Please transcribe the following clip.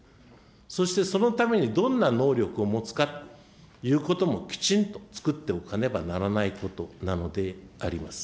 そしてそのために、どんな能力を持つかということも、きちんと作っておかねばならないことであります。